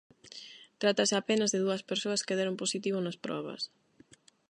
Trátase apenas de dúas persoas que deron positivo nas probas.